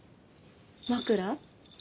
枕？